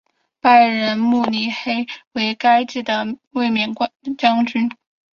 拜仁慕尼黑为该赛季的卫冕冠军。